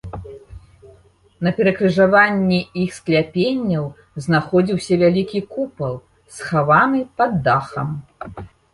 На перакрыжаванні іх скляпенняў знаходзіўся вялікі купал, схаваны пад дахам.